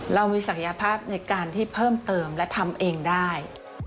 เรามีศักยภาพในการที่เพิ่มเติมและทำเองได้